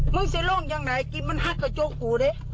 มึงเสร็จลงอย่างไหนกิมมันหักกระจกกูดิ